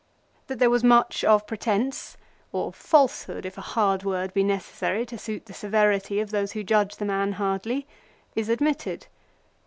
That there was much of pretence, of falsehood, if a hard word be necessary to suit the severity of those who judge the man hardly, is admitted.